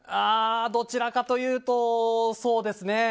どちらかというとそうですね。